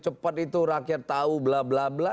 cepat itu rakyat tahu bla bla bla